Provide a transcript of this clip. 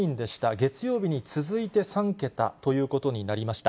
月曜日に続いて３桁ということになりました。